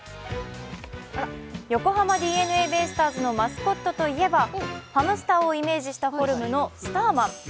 横浜ＤｅＮＡベイスターズのマスコットといえばハムスターをイメージしたフォルムのスターマン。